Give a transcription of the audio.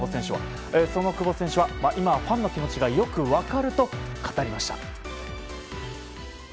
その久保選手は、今はファンの気持ちがよく分かると語りました。